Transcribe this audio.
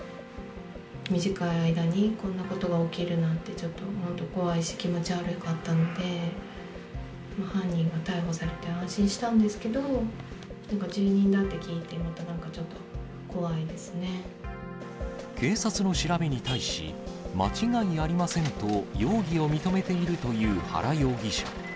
短い間にこんなことが起きるなんて、ちょっと怖いし、気持ち悪かったので、犯人が逮捕されて安心したんですけれども、住人だって聞いて、警察の調べに対し、間違いありませんと容疑を認めているという原容疑者。